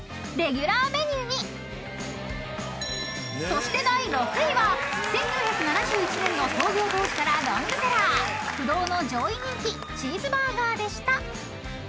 ［そして第６位は１９７１年の創業当時からロングセラー不動の上位人気チーズバーガーでした］